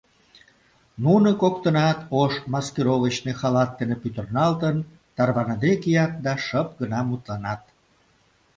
Нуно коктынат, ош маскировочный халат дене пӱтырналтын, тарваныде кият да шып гына мутланат.